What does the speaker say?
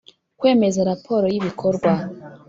Kwemeza raporo y’ibikorwa